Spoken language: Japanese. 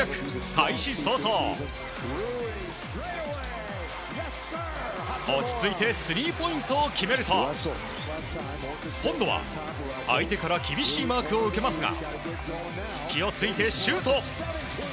開始早々、落ち着いてスリーポイントを決めると今度は、相手から厳しいマークを受けますが隙を突いてシュート！